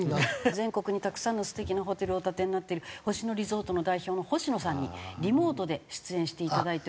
全国にたくさんの素敵なホテルをお建てになっている星野リゾートの代表の星野さんにリモートで出演していただいておりまして。